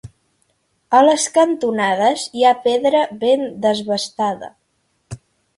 A les cantonades hi ha pedra ben desbastada.